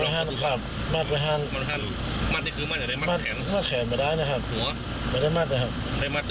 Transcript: นั่งอันนี้เขาอยู่ไหนหัวหัวอยู่ไหนของกับนางเฝ้านะครับนางเฝ้า